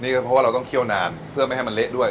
เพราะว่าเราต้องเคี่ยวนานเพื่อไม่ให้มันเละด้วย